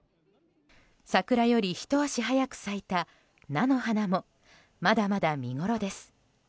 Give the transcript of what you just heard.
桜より、ひと足早く咲いた菜の花もまだまだ見ごろです。